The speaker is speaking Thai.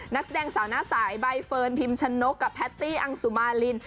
นักแสดงสาวหน้าสายใบเฟิร์นพิมชะนกกับแพตตี้อังสุมาริน